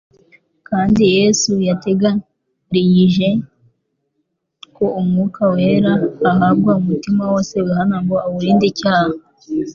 kandi Yesu yategariyije ko Umwuka wera ahabwa umutima wose wihana ngo awurinde icyaha.